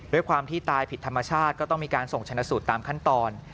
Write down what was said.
ด้วยความที่ตายผิดธรรมชาติก็ต้องมีการส่งชนะสูตรตามขั้นตอน